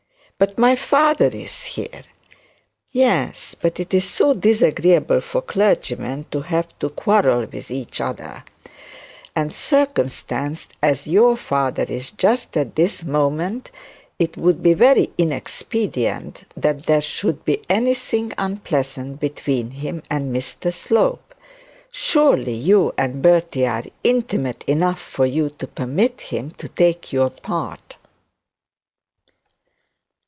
'But my father is here.' 'Yes, but it is so disagreeable for clergymen to have to quarrel with each other; and circumstanced as your father is just at this moment, it would be very inexpedient that there should be anything unpleasant between him and Mr Slope. Surely you and Bertie are intimate enough for you to permit him to take your part.'